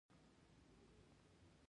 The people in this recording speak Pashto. ایا ستاسو خوب به ریښتیا نه وي؟